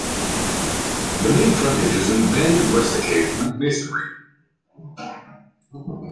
The main frontage is in banded rusticated masonry.